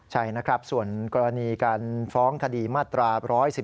ใช่ส่วนกรณีการฟ้องคดีมาตรา๑๑๒